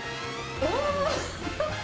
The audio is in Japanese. うわー。